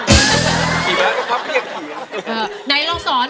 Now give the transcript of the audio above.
ขี่ม้าก็พับอย่างเกียรติ